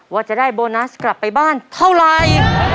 ว่าจะได้โบนัสกลับไปบ้านเท่าไร